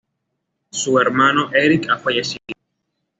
Su hermano, Eric, ha fallecido.